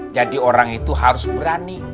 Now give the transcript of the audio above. jadi orang itu harus berani